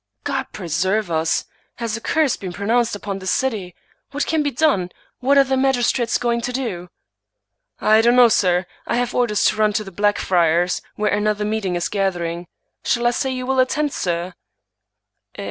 " God preserve us ! Has a curse been pronounced upon this city? What can be done? What are the magistrates going to do ?"" I don't know, sir. I have orders to run to the Black Friars, where another meeting is gathering. Shall I say you will attend, sir